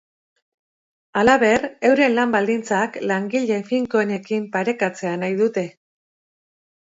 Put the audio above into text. Halaber, euren lan baldintzak langile finkoenenekin parekatzea nahi dute.